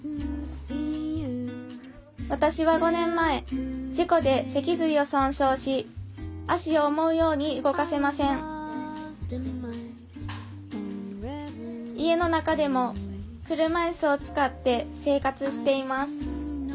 私は５年前事故で脊髄を損傷し足を思うように動かせません家の中でも車いすを使って生活しています